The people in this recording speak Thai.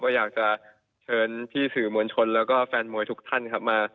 ก็อยากจะเชิญพี่สื่อมวลชนแล้วก็แฟนมวยทุกท่านครับมา